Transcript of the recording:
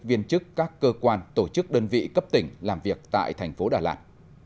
viên chức các cơ quan tổ chức đơn vị cấp tỉnh làm việc tại thành phố đà lạt